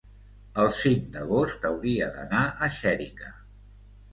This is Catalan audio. El cinc d'agost hauria d'anar a Xèrica.